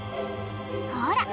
ほら！